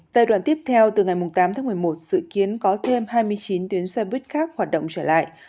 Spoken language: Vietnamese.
giai đoạn tiếp theo từ ngày tám tháng một mươi một sự kiến có thêm hai mươi chín tuyến xe buýt khác hoạt động trở lại